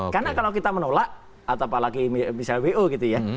karena kalau kita menolak apalagi misalnya wo gitu ya